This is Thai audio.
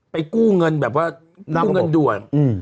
กู้เงินแบบว่ากู้เงินด่วน